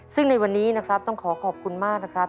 ซึ่งในวันนี้นะครับต้องขอขอบคุณมากนะครับ